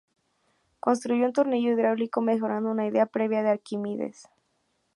Construyó un tornillo hidráulico, mejorando una idea previa de Arquímedes.